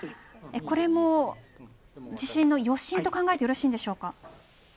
これも地震の余震と考えてよろしいですか。